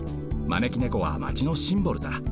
まねきねこはマチのシンボルだ。